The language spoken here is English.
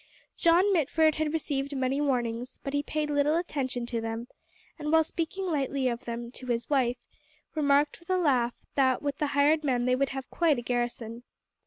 John Mitford had received many warnings, but he paid little attention to them, and while speaking lightly of them to his wife, remarked with a laugh, that with the hired men they would have quite a garrison.